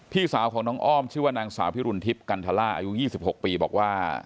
พี่สาวของน้องอ้อมชื่อว่านางสาวพิรุณทิพย์กันทล่าอายุ๒๖ปีบอกว่า